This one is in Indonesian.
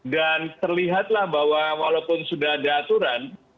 dan terlihatlah bahwa walaupun sudah ada aturan